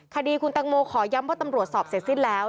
คดีคุณตังโมขอย้ำว่าตำรวจสอบเสร็จสิ้นแล้ว